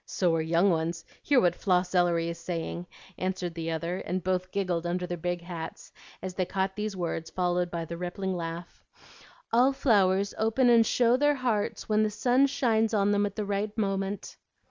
"So are young ones; hear what Floss Ellery is saying," answered the other; and both giggled under their big hats as they caught these words followed by the rippling laugh, "All flowers open and show their hearts when the sun shines on them at the right moment."